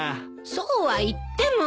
そうはいっても。